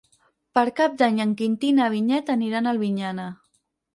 Per Cap d'Any en Quintí i na Vinyet aniran a Albinyana.